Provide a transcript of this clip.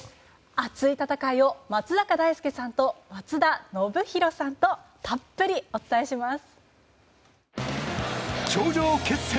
熱い戦いを松坂大輔さんと松田宣浩さんとたっぷりお伝えします。